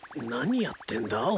何やってんだ？